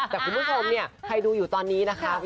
แต่คุณผู้ชมเนี่ยใครดูอยู่ตอนนี้นะคะ